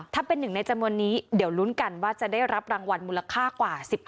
ถ้าเป็นหนึ่งในจำนวนนี้เดี๋ยวลุ้นกันว่าจะได้รับรางวัลมูลค่ากว่า